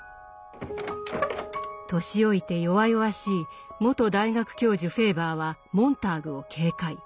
年老いて弱々しい元大学教授フェーバーはモンターグを警戒。